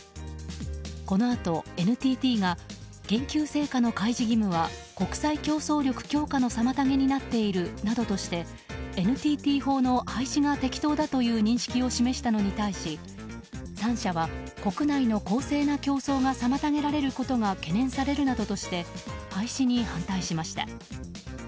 このあと、ＮＴＴが研究成果の開示義務は国際競争力強化の妨げになっているなどとしてＮＴＴ法の廃止が適当だという認識を示したのに対し３社は国内の公正な競争が妨げられることが懸念されるなどとして廃止に反対しました。